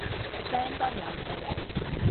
相當有道理